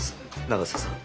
永瀬さん。